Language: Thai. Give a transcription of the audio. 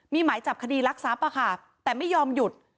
มีหมายจับคดีลักษณ์ทรัพย์ป่ะค่ะแต่ไม่ยอมหยุด